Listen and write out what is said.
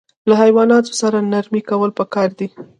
له حیواناتو سره نرمي کول پکار دي.